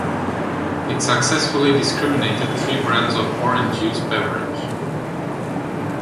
It successfully discriminated three brands of orange juice beverage.